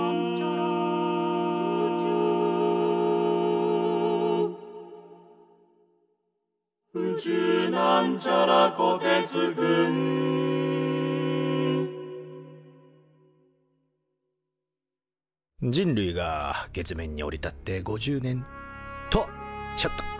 「宇宙」人類が月面に降り立って５０年！とちょっと。